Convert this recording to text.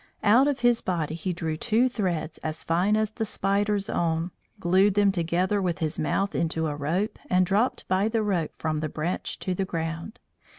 Out of his body he drew two threads as fine as the spider's own, glued them together with his mouth into a rope, and dropped by the rope from the branch to the ground.